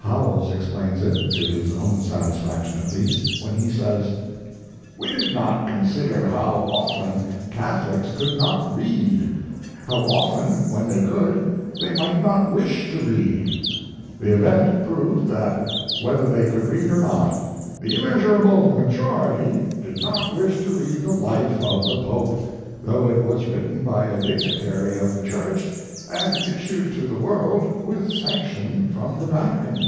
Howells explains it, to his own satisfaction at least, when he says: We did not consider how often Catholics could not read, how often, when they could, they might not wish to read. The event proved that, whether they could read or not, the immeasurable majority did not wish to read The Life of the Pope, though it was written by a dignitary of the Church and issued to the world with sanction from the Vatican.